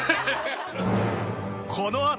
このあとは。